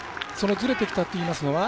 ズレてきたといいますのは？